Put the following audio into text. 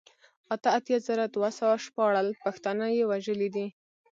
اته اتيا زره دوه سوه شپاړل پښتانه يې وژلي دي